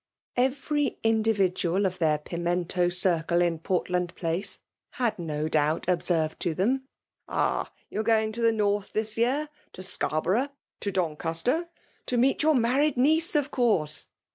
Every individual of their .Pimento circle in Portland Place had bo doubt observed to them, " Ah ! you are going to the North this year, — ^to Scarborough, to Doncaster ?— To meet your married niece of course?